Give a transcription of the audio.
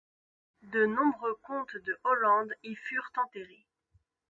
De nombreux comtes de Hollande y furent enterrés.